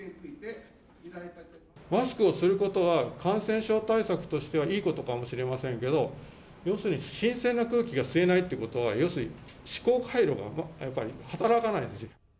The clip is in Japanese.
マスクをすることは、感染症対策としてはいいことかもしれませんけれども、要するに新鮮な空気が吸えないということは、要するに思考回路が働かないんですよ。